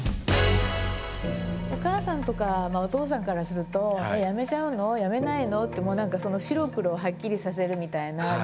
お母さんとかお父さんからするとやめちゃうのやめないのって白黒をはっきりさせるみたいな。